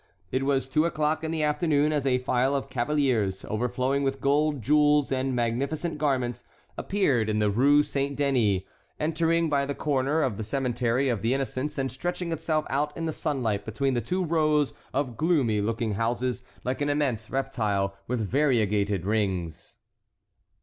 It was two o'clock in the afternoon as a file of cavaliers, overflowing with gold, jewels, and magnificent garments, appeared in the Rue Saint Denis, entering by the corner of the Cemetery of the Innocents and stretching itself out in the sunlight between the two rows of gloomy looking houses like an immense reptile with variegated rings.